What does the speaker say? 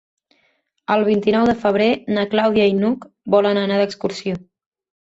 El vint-i-nou de febrer na Clàudia i n'Hug volen anar d'excursió.